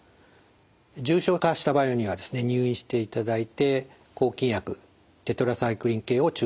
重症化した場合には入院していただいて抗菌薬テトラサイクリン系を注射します。